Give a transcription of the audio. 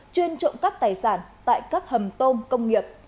chuyên trộm cắp tài sản tại các hầm tôm công nghiệp